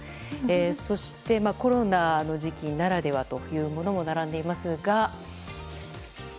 そして、コロナの時期ならではというものも並んでいますが。